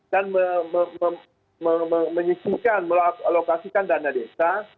dan menyisikan melokasikan dana desa